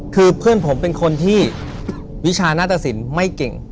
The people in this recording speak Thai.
คือเพื่อนผมเป็นคนที่วิชาหน้าตสินไม่เก่ง